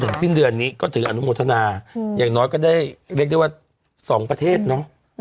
สิ้นเดือนนี้ก็ถืออนุโมทนาอย่างน้อยก็ได้เรียกได้ว่า๒ประเทศเนอะ